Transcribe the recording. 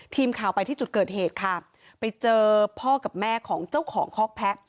ทีมข่าวไปที่จุดเกิดเหตุค่ะไปเจอพ่อกับแม่ของเจ้าของคอกแพะ